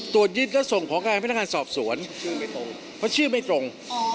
ตรวจยึดแล้วส่งของเขากับการสอบสวนเพราะชื่อไม่ตรง